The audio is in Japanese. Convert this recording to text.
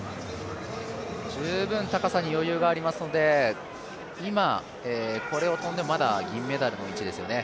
十分高さに余裕がありますので今、これを跳んでも、まだ銀メダルのうちですよね。